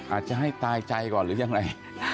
อาจจะให้ตายใจก่อนหรือยังไร